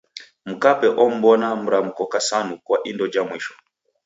Mkape om'mbona mramko kasanu kwa indo ja mwisho.